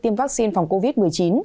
tiêm vaccine phòng covid một mươi chín